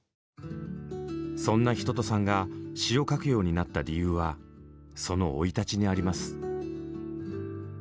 そんな一青さんが詩を書くようになった理由はその生い立ちにあります。